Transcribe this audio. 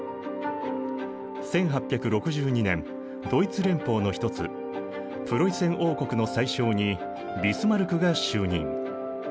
１８６２年ドイツ連邦の一つプロイセン王国の宰相にビスマルクが就任。